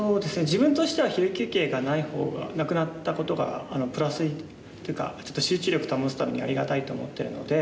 自分としては昼休憩がない方がなくなったことがプラスにというかちょっと集中力保つためにありがたいと思ってるので。